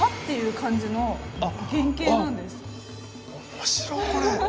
面白いこれ。